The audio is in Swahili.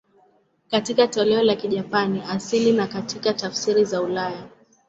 Katika toleo la Kijapani asili na katika tafsiri za ulaya.